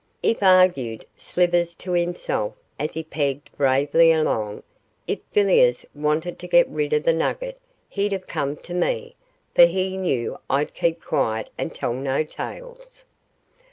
'If,' argued Slivers to himself, as he pegged bravely along, 'if Villiers wanted to get rid of the nugget he'd have come to me, for he knew I'd keep quiet and tell no tales.